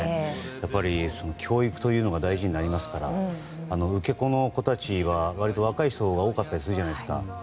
やっぱり、教育というのが大事になりますから受け子の人たちは割と若い人たちが多かったりするじゃないですか。